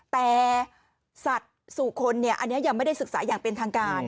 แต่สัตว์สู่คนเนี่ยอันนี้ยังไม่ได้ศึกษาอย่างเป็นทางการ